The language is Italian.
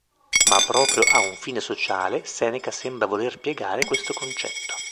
Ma proprio a un fine sociale Seneca sembra voler piegare questo concetto.